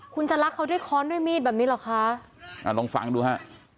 คุณจะรักเขาด้วยค้อนด้วยมีดแบบนี้เหรอคะอ่าลองฟังดูฮะ